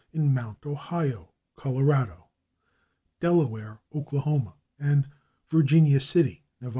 in /Mount Ohio/, Colo., /Delaware/, Okla., and /Virginia City/, Nev.